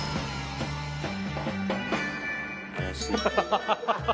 ハハハハ！